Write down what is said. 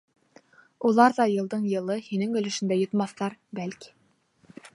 Улар ҙа йылдың-йылы һинең өлөшөндә йотмаҫтар, бәлки.